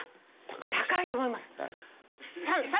高いと思います。